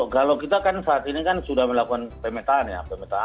kalau kita kan saat ini kan sudah melakukan pemetaan ya